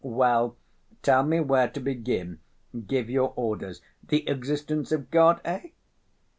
"Well, tell me where to begin, give your orders. The existence of God, eh?"